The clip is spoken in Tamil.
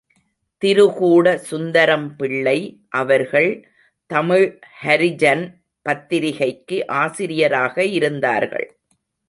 திருகூட சுந்தரம் பிள்ளை அவர்கள் தமிழ் ஹரிஜன் பத்திரிகைக்கு ஆசிரியராக இருந்தார்கள்.